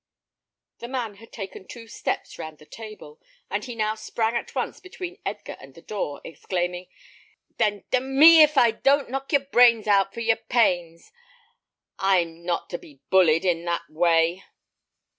The man had taken two steps round the table, and he now sprang at once between Edgar and the door, exclaiming, "Then d mn me if I don't knock your brains out for your pains. I'm not to be bullied in that way."